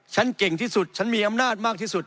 ฉันเก่งที่สุดฉันมีอำนาจมากที่สุด